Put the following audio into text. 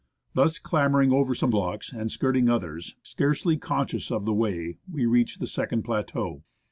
Thus, clambering over some blocks, and skirting others, scarcely conscious of the way, we reached the second plateau.